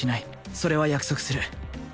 それは約束する